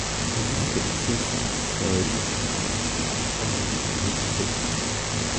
Resistências em série somam os seus valores de resistência.